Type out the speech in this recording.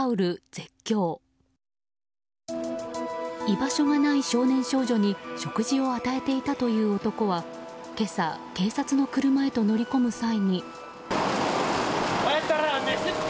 居場所がない少年少女に食事を与えていたという男は今朝、警察の車へと乗り込む際に。